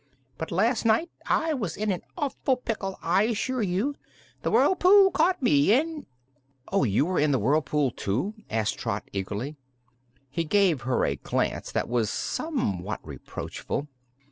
"But last night I was in an awful pickle, I assure you. The whirlpool caught me, and " "Oh, were you in the whirlpool, too?" asked Trot eagerly. He gave her a glance that was somewhat reproachful.